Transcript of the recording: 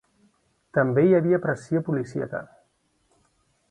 També hi havia pressió policíaca.